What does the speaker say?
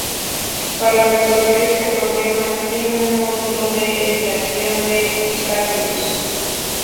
Para resolver este problema, tiene un módulo de evitación de obstáculos.